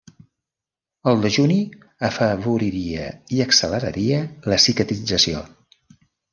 El dejuni afavoriria i acceleraria la cicatrització.